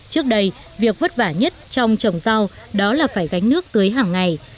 trước đây việc vất vả nhất trong trồng rau đó là phải gánh nước tưới hàng ngày